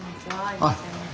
いらっしゃいませ。